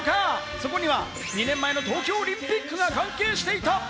そこには２年前の東京オリンピックが関係していた。